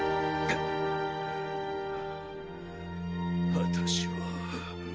私は。